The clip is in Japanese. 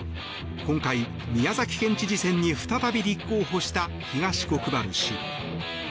今回、宮崎県知事選に再び立候補した東国原氏。